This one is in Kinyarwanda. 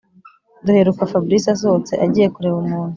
duheruka fabric asohotse agihe kureba umuntu